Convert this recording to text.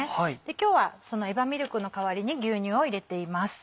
今日はそのエバミルクの代わりに牛乳を入れています。